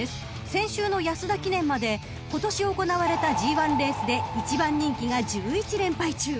［先週の安田記念まで今年行われたＧⅠレースで１番人気が１１連敗中］